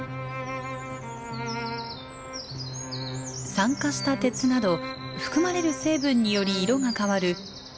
酸化した鉄など含まれる成分により色が変わるチャート。